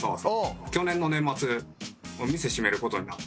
去年の年末店閉める事になって。